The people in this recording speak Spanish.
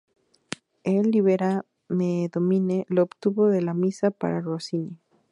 El "Libera me Domine" lo obtuvo de la "Misa para Rossini".